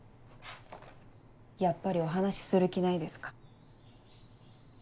やっぱりお話しする気ないですか？